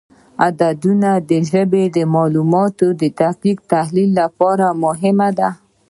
د عددونو ژبه د معلوماتو د دقیق تحلیل لپاره مهمه ده.